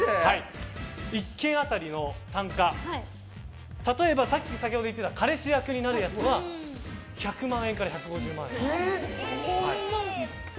１件当たりの単価例えば先ほど言っていた彼氏役になるやつは１００万円から１５０万円。